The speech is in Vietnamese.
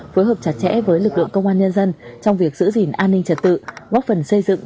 phối hợp chặt chẽ với lực lượng công an nhân dân trong việc giữ gìn an ninh trật tự góp phần xây dựng